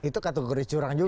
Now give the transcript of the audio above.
itu kategori curang juga